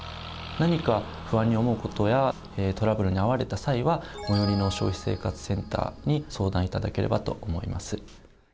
何か不安に思う事やトラブルに遭われた際は最寄りの消費生活センターに相談頂ければと思います。